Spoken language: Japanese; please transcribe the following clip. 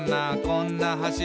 こんな橋」